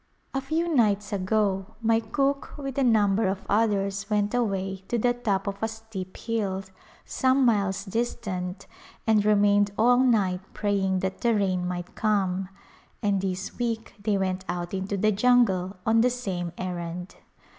A few nights ago my cook with a number of others went away to the top of a steep hill some miles distant and remained all night praying that the rain might come, and this week they went out into the jungle on the same errand.